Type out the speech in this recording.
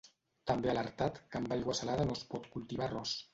També ha alertat que amb aigua salada no es pot cultivar arròs.